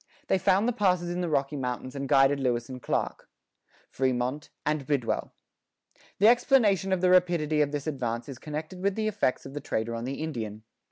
They found the passes in the Rocky Mountains and guided Lewis and Clark,[13:1] Frémont, and Bidwell. The explanation of the rapidity of this advance is connected with the effects of the trader on the Indian.